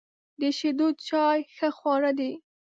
د شیدو چای ښه خواړه دي.